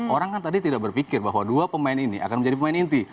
orang kan tadi tidak berpikir bahwa dua pemain ini akan menjadi pemain inti